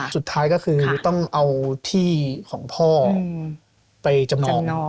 สุดท้ายก็คือต้องเอาที่ของพ่อไปจำนอง